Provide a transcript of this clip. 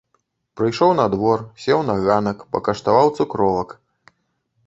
Прыйшоў на двор, сеў на ганак, пакаштаваў цукровак.